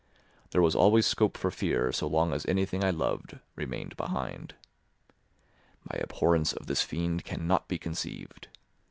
There was always scope for fear so long as anything I loved remained behind. My abhorrence of this fiend cannot be conceived.